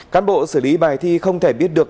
cán bộ xử lý bài thi không thể biết được